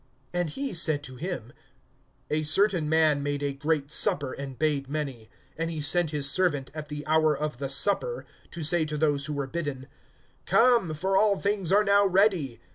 (16)And he said to him: A certain man made a great supper, and bade many. (17)And he sent his servant, at the hour of the supper, to say to those who were bidden: Come, for all things are now ready.